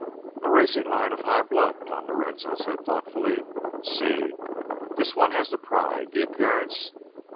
"A racing line of high blood," Don Lorenzo said thoughtfully. "Sí, this one has the pride, the appearance.